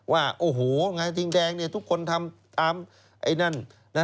ว่าโอ้โหงานทิงแดงทุกคนทำตามไอ้นั่น